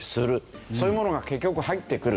そういうものが結局入ってくる。